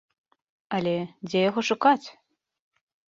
Але, дзе яго шукаць?